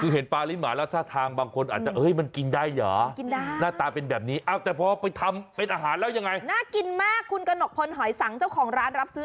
คือเห็นปลาลิ้นหมาแล้วท่าทางบางคนอาจจะเฮ้ยมันกินได้เหรอ